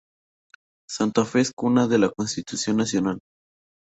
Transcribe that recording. Santa Fe es Cuna de la Constitución Nacional.